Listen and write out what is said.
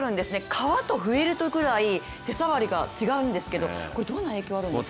皮とフェルトぐらい手触りが違うんですがどんな影響があるんですか？